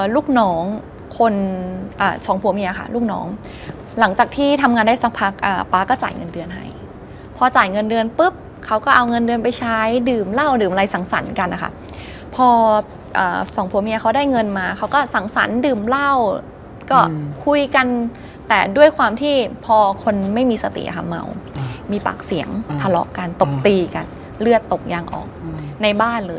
ลูกน้องคนสองผัวเมียค่ะลูกน้องหลังจากที่ทำงานได้สักพักป๊าก็จ่ายเงินเดือนให้พอจ่ายเงินเดือนปุ๊บเขาก็เอาเงินเดือนไปใช้ดื่มเหล้าดื่มอะไรสังสรรค์กันนะคะพอสองผัวเมียเขาได้เงินมาเขาก็สังสรรค์ดื่มเหล้าก็คุยกันแต่ด้วยความที่พอคนไม่มีสติค่ะเมามีปากเสียงทะเลาะกันตบตีกันเลือดตกยางออกในบ้านเลย